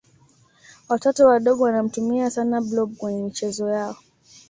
watoto wadogo wanamtumia sana blob kwenye michezo yao